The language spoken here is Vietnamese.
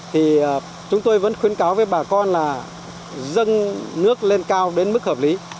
thì chúng tôi vẫn khuyến cáo với bà con là dâng nước lên cao đến mức hợp lý